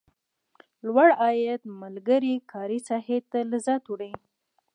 لوړ عاید ملګري کاري ساحې لذت وړي.